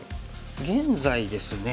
現在ですね